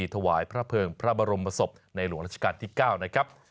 ถวายพระเภิงพระบรมศพในหลวงราชการที่๙นะครับ